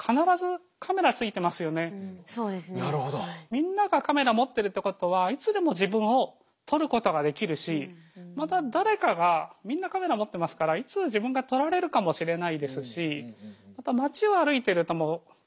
みんながカメラ持ってるってことはいつでも自分を撮ることができるしまた誰かがみんなカメラ持ってますからいつ自分が撮られるかもしれないですし